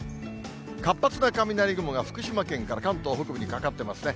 活発な雷雲が、福島県から関東北部にかかってますね。